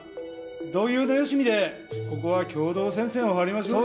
同業のよしみでここは共同戦線を張りましょうよ。